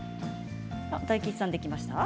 大吉さん、できましたか？